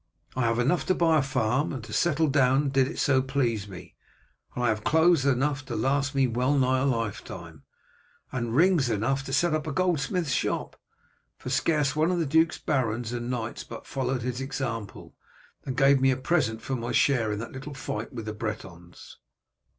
I have enough to buy a farm and settle down did it so please me, and I have clothes enough to last me well nigh a lifetime, and rings enough to set up a goldsmith's shop. For scarce one of the duke's barons and knights but followed his example, and gave me a present for my share in that little fight with the Bretons."